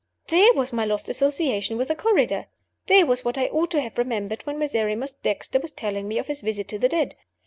There was my lost association with the corridor! There was what I ought to have remembered when Miserrimus Dexter was telling me of his visit to the dead!